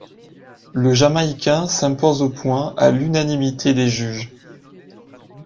Le jamaïcain s'impose aux points à l'unanimité des juges.